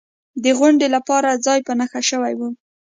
د غونډې لپاره ځای په نښه شوی و.